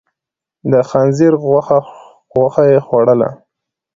د خنزير غوښه يې خوړله.